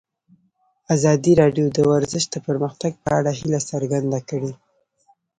ازادي راډیو د ورزش د پرمختګ په اړه هیله څرګنده کړې.